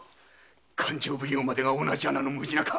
勘定奉行までが同じ穴のムジナか。